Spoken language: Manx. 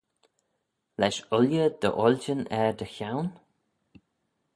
Lesh ooilley dty 'oiljyn er dty chione?